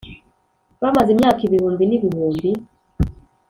bamaze imyaka ibihumbi n’ibihumbi